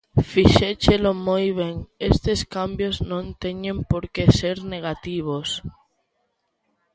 Fixéchelo moi ben, estes cambios non teñen por que ser negativos